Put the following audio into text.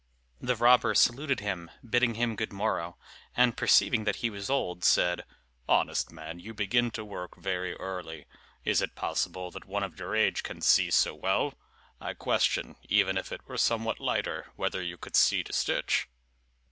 The robber saluted him, bidding him good morrow; and, perceiving that he was old, said, "Honest man, you begin to work very early: is it possible that one of your age can see so well? I question, even if it were somewhat lighter, whether you could see to stitch."